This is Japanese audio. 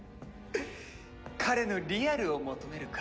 彼のリアルを求めるか。